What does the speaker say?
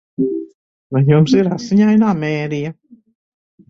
Vai jums ir Asiņainā Mērija?